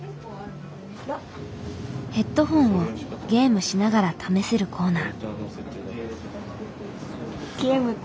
ヘッドホンをゲームしながら試せるコーナー。